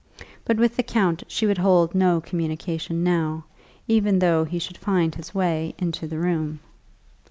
But with the count she would hold no communion now, even though he should find his way into the room.